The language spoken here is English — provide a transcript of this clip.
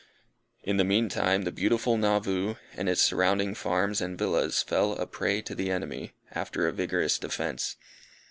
In the meantime, the beautiful Nauvoo, and its surrounding farms and villas fell a prey to the enemy, after a vigorous defence.